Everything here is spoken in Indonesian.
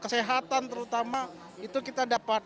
kesehatan terutama itu kita dapat